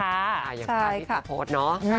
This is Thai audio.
อย่างที่ที่สะพดเนอะ